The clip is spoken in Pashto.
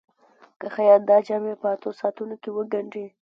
که خیاط دا جامې په اتو ساعتونو کې وګنډي.